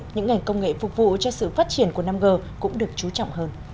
những ngành công nghệ phục vụ cho sự phát triển của năm g cũng được chú trọng hơn